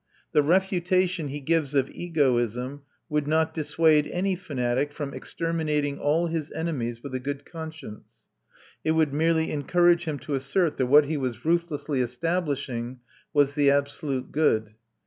The refutation he gives of egoism would not dissuade any fanatic from exterminating all his enemies with a good conscience; it would merely encourage him to assert that what he was ruthlessly establishing was the absolute good.